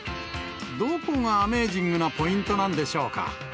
どこがアメージングなポイントなんでしょうか。